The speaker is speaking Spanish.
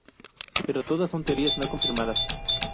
Pero todas son teorías no confirmadas.